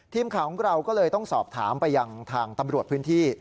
ทีมข่าวของเราก็เลยต้องสอบถามไปยังทางตำรวจพื้นที่